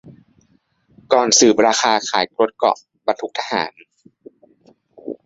ก่อนสืบราคาขายรถเกราะ-บรรทุกทหาร